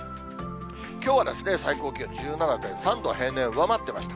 きょうは最高気温１７．３度、平年を上回っていました。